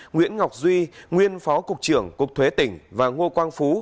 nguyễn ngọc duy nguyên phó cục trưởng cục thuế tỉnh và ngô quang phú